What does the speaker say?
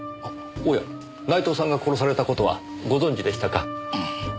おや内藤さんが殺された事はご存じでしたか？